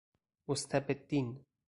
مستبدین